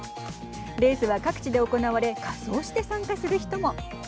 レースは各地で行われ仮装して参加する人も。